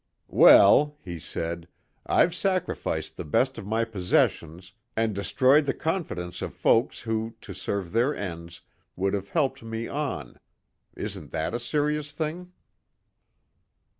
"Well," he said, "I've sacrificed the best of my possessions and destroyed the confidence of folks who, to serve their ends, would have helped me on. Isn't that a serious thing?"